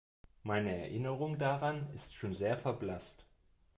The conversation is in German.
Meine Erinnerung daran ist schon sehr verblasst.